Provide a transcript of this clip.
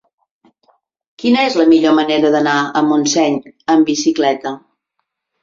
Quina és la millor manera d'anar a Montseny amb bicicleta?